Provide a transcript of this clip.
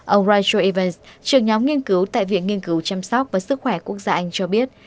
ông rachel evans trường nhóm nghiên cứu tại viện nghiên cứu chăm sóc và sức khỏe quốc gia anh cho biết